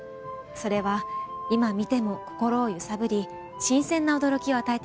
それは今見ても心を揺さぶり新鮮な驚きを与えてくれます。